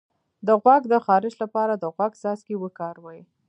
د غوږ د خارش لپاره د غوږ څاڅکي وکاروئ